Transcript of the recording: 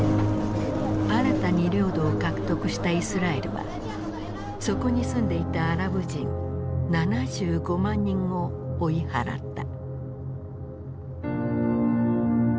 新たに領土を獲得したイスラエルはそこに住んでいたアラブ人７５万人を追い払った。